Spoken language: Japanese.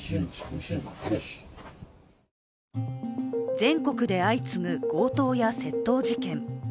全国で相次ぐ強盗や窃盗事件。